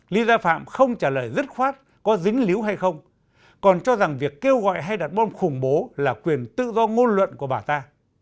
lý gia phạm không trả lời dứt khoát có dính líu hay không còn cho rằng việc kêu gọi hay đặt bom khủng bố là quyền tự do ngôn luận của bà ta